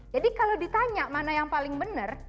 jadi kalau ditanya mana yang paling benar